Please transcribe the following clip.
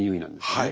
はい。